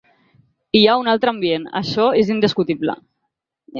Hi ha un altre ambient, això és indiscutible.